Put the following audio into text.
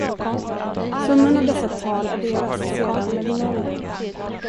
Summan av dessa tal adderas sedan med din ålder.